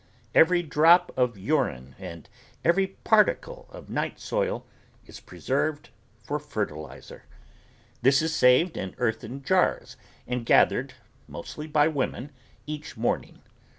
Every drop of urine and every particle of night soil is preserved for fertilizer. This is saved in earthen jars and gathered, mostly by women, each morning.